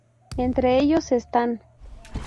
Entre ellos están.